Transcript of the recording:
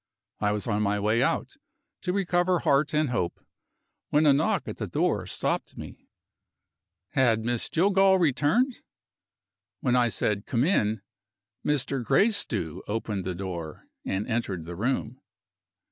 I was on my way out, to recover heart and hope, when a knock at the door stopped me. Had Miss Jillgall returned? When I said "Come in," Mr. Gracedieu opened the door, and entered the room.